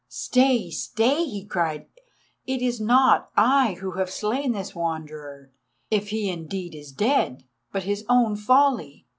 "Stay! stay!" he cried. "It is not I who have slain this Wanderer, if he indeed is dead, but his own folly.